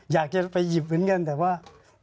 อยากจะไปหยิบเหมือนกันแต่ว่า